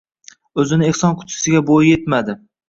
Oʻzini ehson qutisiga boʻyi yetmadi...